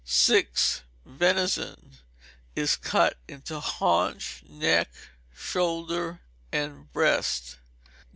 _ vi. Venison is cut into haunch; neck; shoulder; and breast.